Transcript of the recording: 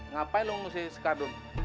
ngapain lu ngusik si kartun